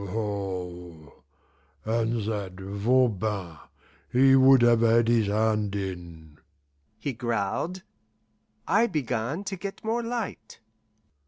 "Aho! And that Voban, he would have had his hand in," he growled. I began to get more light.